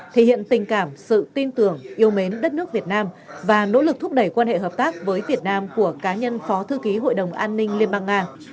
thể hiện tình cảm sự tin tưởng yêu mến đất nước việt nam và nỗ lực thúc đẩy quan hệ hợp tác với việt nam của cá nhân phó thư ký hội đồng an ninh liên bang nga